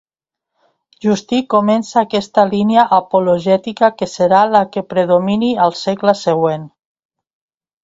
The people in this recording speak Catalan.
Justí comença aquesta línia apologètica que serà la que predomini al segle següent.